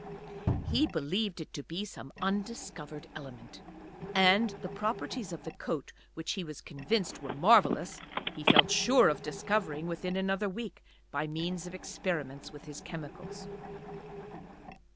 He believed it to be some undiscovered element. And the properties of the coat which he was convinced were marvellous he felt sure of discovering within another week by means of experiments with his chemicals.